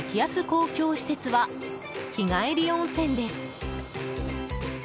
公共施設は日帰り温泉です。